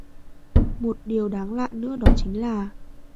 Một điều đáng lạ nữa đó chính là